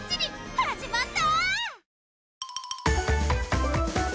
始まった！